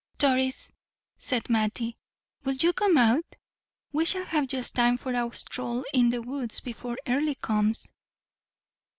"Doris," said Mattie, "will you come out? We shall have just time for a stroll in the woods before Earle comes."